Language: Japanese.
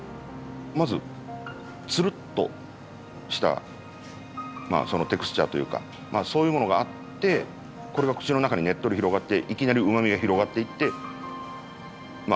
まずつるっとしたテクスチャーというかそういうものがあってこれが口の中にねっとり広がっていきなりうまみが広がっていってまあ